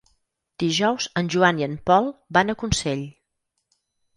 Dijous en Joan i en Pol van a Consell.